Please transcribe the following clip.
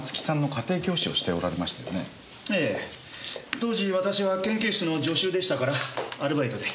当時私は研究室の助手でしたからアルバイトで。